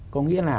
có nghĩa là